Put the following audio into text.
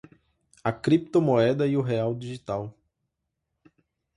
A criptomoeda e o real digital